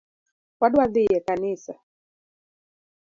Wadwa dhii e kanisa.